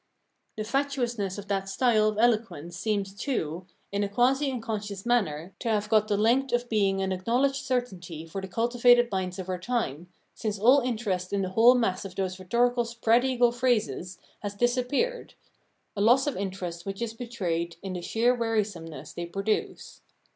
The fatuousness of that style of eloquence seems, too, in a quasi unconscious manner to have got the length of being an acknowledged certainty for the cultivated minds of our time, since all interest in the whole mass of those rhetorical spread eagle phrases has disappeared — a loss of interest which is betrayed in the sheer weari someness they produce.